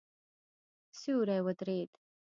سیوری ودرېد.